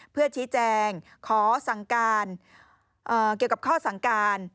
เพื่อชี้แจงเกี่ยวกับข้อสังการ